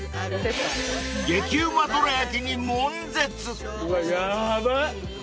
［激ウマどら焼きにもん絶］うわヤバい。